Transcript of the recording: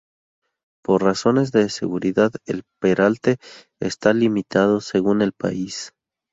Por razones de seguridad el peralte está limitado según el país.